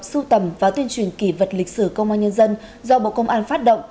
sưu tầm và tuyên truyền kỷ vật lịch sử công an nhân dân do bộ công an phát động